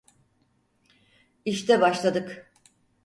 İşte başladık.